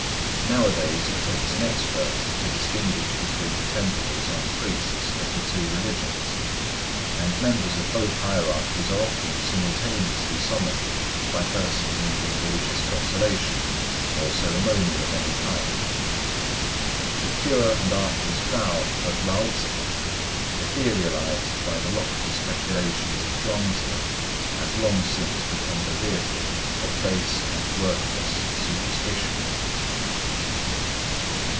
Nowadays it takes an expert to distinguish between the temples and priests of the two religions, and members of both hierarchies are often simultaneously summoned by persons needing religious consolation or ceremonial of any kind. The pure and artless Tao of Lao Tzŭ, etherealised by the lofty speculations of Chuang Tzŭ, has long since become the vehicle of base and worthless superstition.